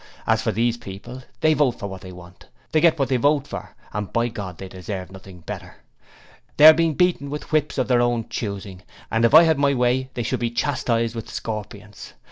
As for these people, they vote for what they want, they get what they vote for, and, by God! they deserve nothing better! They are being beaten with whips of their own choosing, and if I had my way they should be chastised with scorpions.